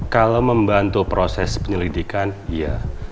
kalau membantu proses penyelidikan iya